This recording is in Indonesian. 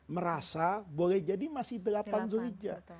merasa boleh jadi masih delapan dhul hijjah